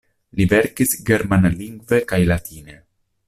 Li verkis germanlingve kaj latine.